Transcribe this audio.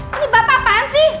ini bapak apaan sih